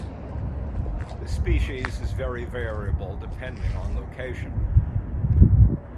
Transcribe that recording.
This species is very variable, depending on location.